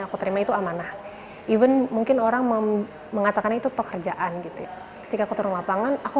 aku terima itu amanah even mungkin orang mengatakan itu pekerjaan gitu ketika aku turun lapangan aku